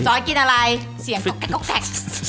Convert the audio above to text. จอสกินอะไรเสียงค่อนข้างแซะ